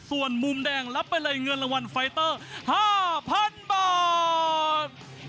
ส่วนมุมแดงรับไปเลยเงินรางวัลไฟเตอร์๕๐๐๐บาท